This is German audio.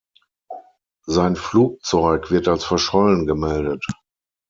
Sein Flugzeug wird als verschollen gemeldet.